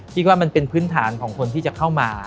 คิดว่ามันเป็นพื้นฐานของคนที่จะเข้ามา